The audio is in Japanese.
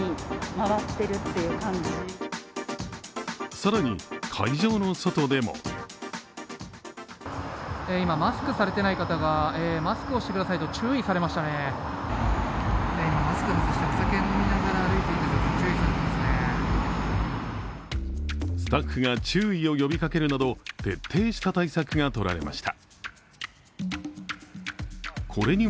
更に、会場の外でもスタッフが注意を呼びかけるなど、徹底した対策が取られました。